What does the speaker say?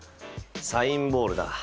サインボールだ。